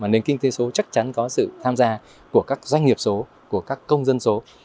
nền kinh tế số chắc chắn có sự tham gia của các doanh nghiệp số công dân số